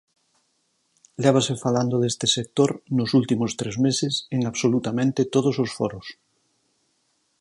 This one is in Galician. Lévase falando deste sector nos últimos tres meses en absolutamente todos os foros.